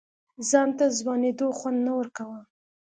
ځان ته ځوانېدو خوند نه ورکوه.